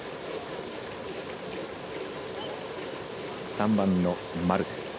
３番のマルテ。